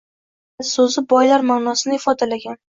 Bayat so‘zi «boylar» ma’nosini ifodalagan.